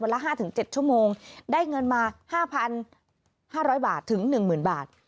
ละ๕๗ชั่วโมงได้เงินมา๕๕๐๐บาทถึง๑๐๐๐บาท